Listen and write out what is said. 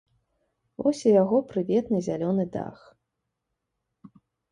Вось і яго прыветны зялёны дах.